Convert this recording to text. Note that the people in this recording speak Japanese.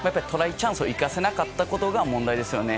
チャンスを生かせなかったことが問題ですね。